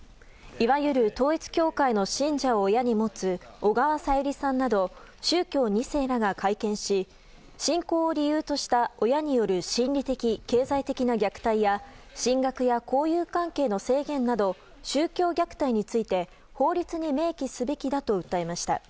いわゆる統一教会の信者を親に持つ小川さゆりさんなど宗教２世らが会見し信仰を理由とした親による心理的・経済的な虐待や進学や交友関係の制限など宗教虐待について法律に明記すべきだと訴えました。